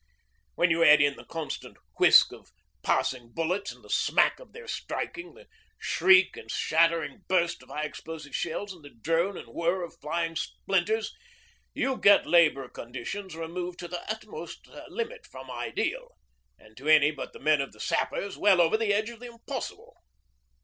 When you add in the constant whisk of passing bullets and the smack of their striking, the shriek and shattering burst of high explosive shells, and the drone and whirr of flying splinters, you get labour conditions removed to the utmost limit from ideal, and, to any but the men of the Sappers, well over the edge of the impossible.